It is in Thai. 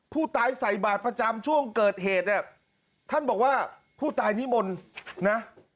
ผู้ตายใส่บาทประจำช่วงเกิดเหตุเนี่ยท่านบอกว่าผู้ตายนิมนต์นะ